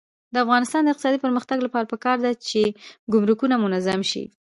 د افغانستان د اقتصادي پرمختګ لپاره پکار ده چې ګمرکونه منظم شي.